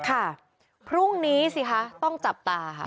ค่ะพรุ่งนี้สิคะต้องจับตาค่ะ